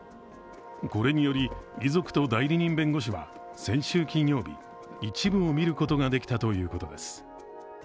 これにより、遺族と代理人弁護士は先週金曜日、一部を見ることができたということです。